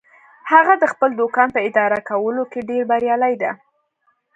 هغه د خپل دوکان په اداره کولو کې ډیر بریالی ده